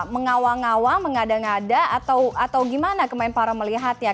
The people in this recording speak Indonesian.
mengawang awang mengada ngada atau gimana kemenpara melihatnya